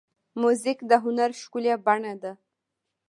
موزیک د هنر ښکلې بڼه ده.